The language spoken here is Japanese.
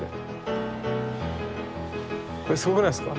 これすごくないですか？